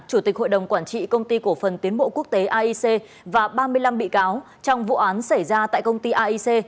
chủ tịch hội đồng quản trị công ty cổ phần tiến bộ quốc tế aic và ba mươi năm bị cáo trong vụ án xảy ra tại công ty aic